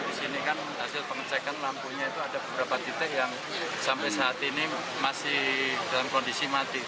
di sini kan hasil pengecekan lampunya itu ada beberapa titik yang sampai saat ini masih dalam kondisi mati